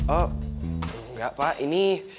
oh enggak pak ini